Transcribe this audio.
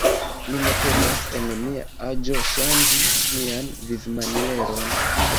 Mi ne povas, en mia aĝo, ŝanĝi mian vivmanieron.